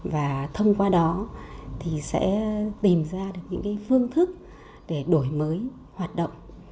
và thông qua đó thì sẽ tìm ra được những phương thức để đổi mới hoạt động